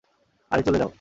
আরে চলে যাও।